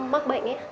mắc bệnh ấy